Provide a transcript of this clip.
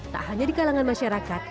tak hanya di kalangan masyarakat